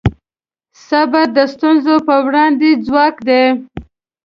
صبر د ستونزو پر وړاندې ځواک دی.